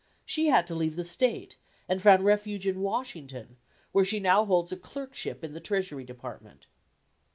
She had to leave the State, and found refuge in Washington, where she now holds a clerkship in the Treasury department.